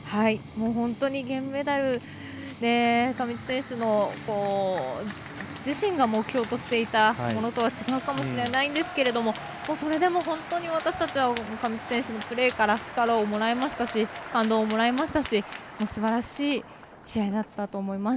本当に銀メダル上地選手の自身が目標としていたものとは違うかもしれないんですがそれでも本当に私たちは上地選手のプレーから力と感動をもらいましたしすばらしい試合だったと思います。